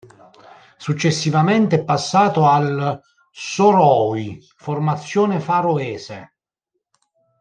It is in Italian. Successivamente è passato al Suðuroy, formazione faroese.